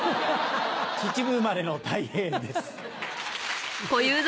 秩父生まれのたい平です。